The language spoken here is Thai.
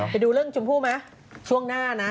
ไปดูเรื่องชมพู่ไหมช่วงหน้านะ